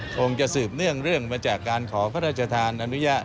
คงจะสืบเนื่องเรื่องมาจากการขอพระราชทานอนุญาต